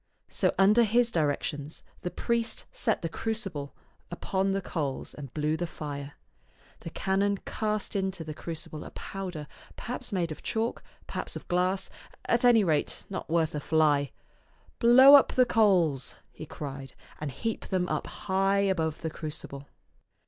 So under his directions the priest set the crucible upon the coals and blew the fire. The canon cast into the crucible a powder, perhaps made of chalk, perhaps of glass, at any rate not worth a fly. " Blow up the coals," he cried, " and heap them up high above the crucible."